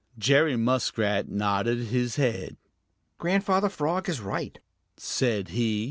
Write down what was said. Jerry Muskrat nodded his head. "Grandfather Frog is right," said he.